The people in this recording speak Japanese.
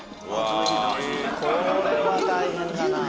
これは大変だな。